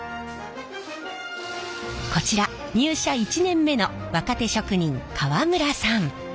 こちら入社１年目の若手職人川村さん。